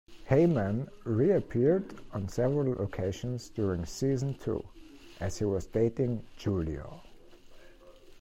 Haymen reappeared on several occasions during Season Two, as he was dating Guillo.